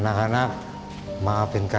dapat ga keceeitingnya